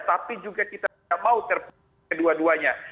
tapi juga kita tidak mau terpilih kedua duanya